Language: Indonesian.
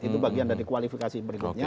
itu bagian dari kualifikasi berikutnya